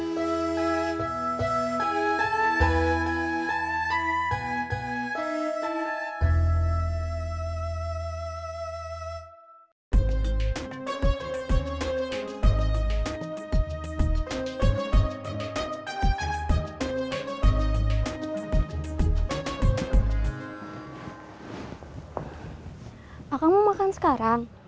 pak kamu makan sekarang